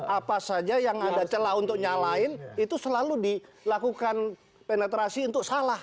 apa saja yang ada celah untuk nyalain itu selalu dilakukan penetrasi untuk salah